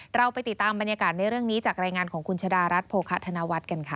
เราไปติดตามบรรยากาศในเรื่องนี้จากรายงานของคุณชะดารัฐโภคะธนวัฒน์กันค่ะ